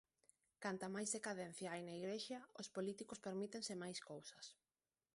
Canta máis decadencia hai na igrexa os políticos permítense máis cousas.